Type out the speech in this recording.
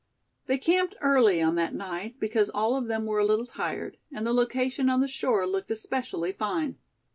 They camped early on that night, because all of them were a little tired; and the location on the shore looked especially fine.